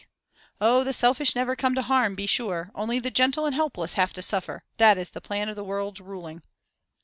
Oh, the selfish never come to harm, be sure! Only the gentle and helpless have to suffer; that is the plan of the world's ruling.